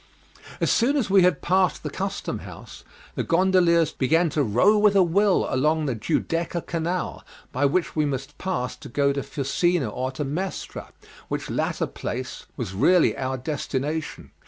As soon as we had passed the custom house, the gondoliers began to row with a will along the Giudecca Canal, by which we must pass to go to Fusina or to Mestre, which latter place was really our destination.